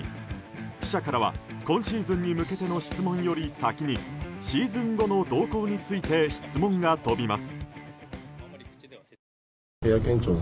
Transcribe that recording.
記者からは今シーズンに向けての質問より先にシーズン後の動向について質問が飛びます。